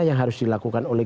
yang harus dilakukan oleh